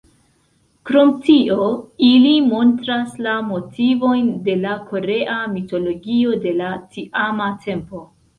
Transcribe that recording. Krom tio, ili montras la motivojn de la korea mitologio de la tiama tempo.